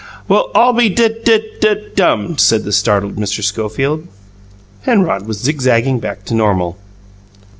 "Well, I'll be d dud dummed!" said the startled Mr. Schofield. Penrod was zigzagging back to normal.